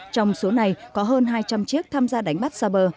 trong số này có hơn hai trăm linh chiếc tham gia đánh bắt xa bờ